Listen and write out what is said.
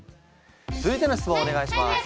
続いての質問お願いします。